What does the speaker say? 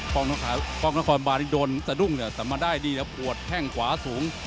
ป้องข้างคล้องบานที่โดนสะดุ้งสามารถได้ดีกว่าปวดแค่งกวาสูง